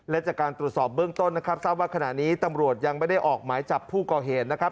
และจากการตรวจสอบเบื้องต้นนะครับทราบว่าขณะนี้ตำรวจยังไม่ได้ออกหมายจับผู้ก่อเหตุนะครับ